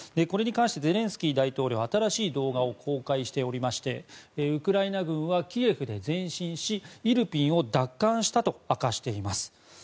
これに関してゼレンスキー大統領新しい動画を公開していましてウクライナ軍はキエフで前進しイルピンを奪還したと明かしています。